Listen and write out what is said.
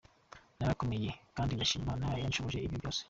Narakomeye kandi ndashima Imana yanshoboje ibyo byose.